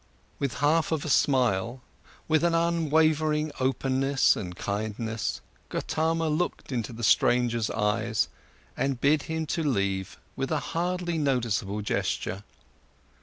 With half of a smile, with an unwavering openness and kindness, Gotama looked into the stranger's eyes and bid him to leave with a hardly noticeable gesture.